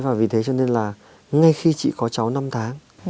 và vì thế cho nên là ngay khi chị có cháu năm tháng